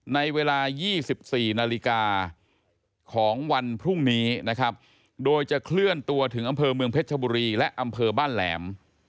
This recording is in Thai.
ในเวลา๒๔นาฬิกาของวันพรุ่งนี้นะครับโดยจะเคลื่อนตัวถึงอำเภอเมืองเพชรชบุรีและอำเภอบ้านแหลม